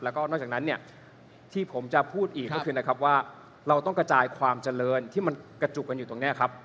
แล้วก็นอกจากนั้นเนี่ยที่ผมจะพูดอีกก็คือนะครับว่าเราต้องกระจายความเจริญที่มันกระจุกกันอยู่ตรงนี้ครับ